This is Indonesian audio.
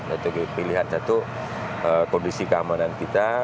atau pilihan satu kondisi keamanan kita